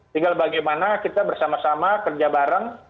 tinggal bagaimana kita bersama sama kerja bareng